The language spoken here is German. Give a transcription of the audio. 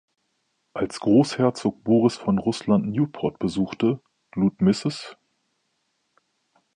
Als Großherzog Boris von Russland Newport besuchte, lud Mrs.